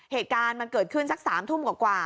เหตุการณ์มันเกิดขึ้นสัก๓ทุ่มกว่า